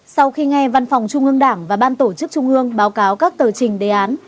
sau khi nghe văn phòng trung ương đảng và ban tổ chức trung ương báo cáo các tờ trình đề án